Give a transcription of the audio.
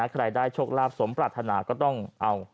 ใครได้ชกลาภสมปรารถนาก็ต้องเอารุบปั่นไก่ชน